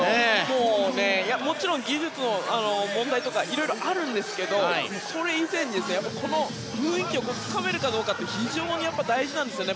もちろん技術の問題とかいろいろあるんですがそれ以前に雰囲気をつかめるかどうかが非常に大事なんですね